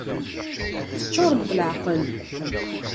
Teččurem d leεqel!